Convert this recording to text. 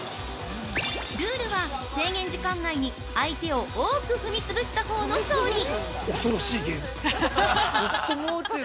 ルールは、制限時間内に相手を多く踏み潰した方の勝利。